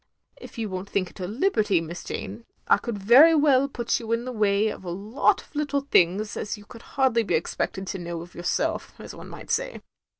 If you won't think it a liberty. Miss Jane, I could very well put you in the way of a lot of little things as you could hardly be expected to know of yourself, as one might say.